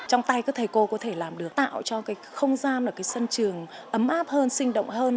trong tay các thầy cô có thể làm được tạo cho cái không gian ở cái sân trường ấm áp hơn sinh động hơn